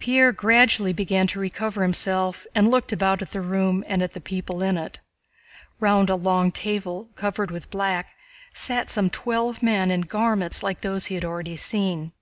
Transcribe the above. Pierre gradually began to recover himself and looked about at the room and at the people in it. Round a long table covered with black sat some twelve men in garments like those he had already seen.